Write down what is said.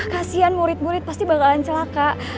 kasian murid murid pasti bakalan celaka